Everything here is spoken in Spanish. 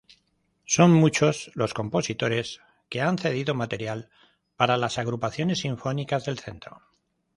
Son muchos los compositores que han cedido material para las agrupaciones Sinfónicas del centro.